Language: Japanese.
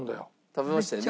食べましたよね。